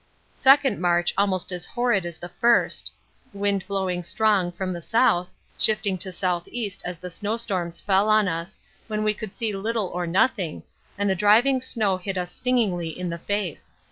Second march almost as horrid as the first. Wind blowing strong from the south, shifting to S.E. as the snowstorms fell on us, when we could see little or nothing, and the driving snow hit us stingingly in the face.